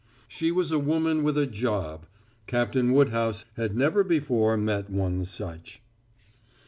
She was a woman with a "job"; Captain Woodhouse had never before met one such.